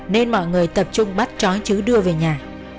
nên mọi người tập trung bắt chói chứ đưa về nhà